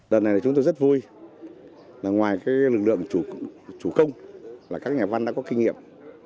đợt này chúng tôi rất vui ngoài lực lượng chủ công các nhà văn đã có kinh nghiệm